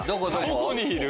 どこにいる？